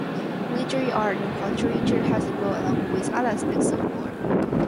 Military art and portraiture has evolved along with other aspects of war.